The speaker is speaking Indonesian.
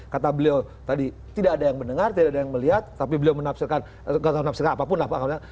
kata beliau tadi tidak ada yang mendengar tidak ada yang melihat tapi beliau menafsirkan tidak ada yang menafsirkan apapun